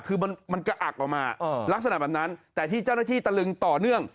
คือมันกระอักออกมาลักษณะแบบนั้นแต่ที่เจ้าหน้าที่ตะลึงต่อเนื่อง